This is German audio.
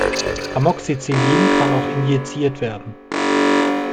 Amoxicillin kann auch injiziert werden.